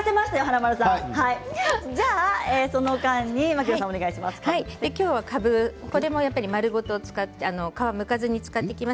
その間に、今日は、かぶこれも丸ごと使って皮をむかずに使います。